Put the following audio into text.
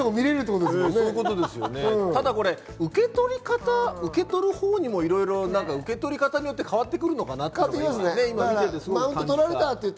ただ、受け取るほうにも受け取り方によって変わってくるのかなって感じました。